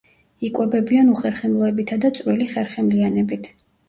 იკვებებიან უხერხემლოებითა და წვრილი ხერხემლიანებით.